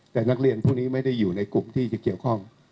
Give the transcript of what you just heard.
แต่นักเรียนพวกนี้ไม่ได้อยู่ในกลุ่มที่จะเกี่ยวข้อง